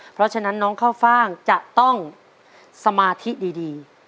เพราะฉะนั้นน้องข้าวฟ่างจะต้องสมาธิดี